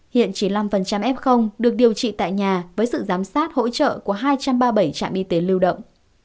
hiện chỉ năm f được điều trị tại nhà với sự giám sát hỗ trợ của hai trăm ba mươi bảy trạm y tế lưu động